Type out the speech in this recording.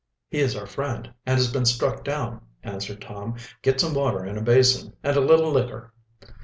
"He is our friend, and has been struck down," answered Tom. "Get some water in a basin, and a little liquor."